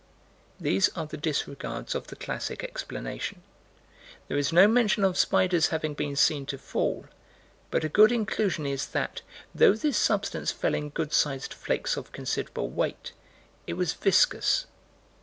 These are the disregards of the classic explanation. There is no mention of spiders having been seen to fall, but a good inclusion is that, though this substance fell in good sized flakes of considerable weight, it was viscous.